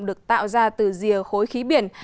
được tạo ra từ rìa khối khí biển